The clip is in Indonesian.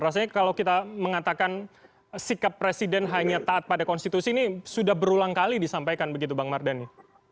rasanya kalau kita mengatakan sikap presiden hanya taat pada konstitusi ini sudah berulang kali disampaikan begitu bang mardhani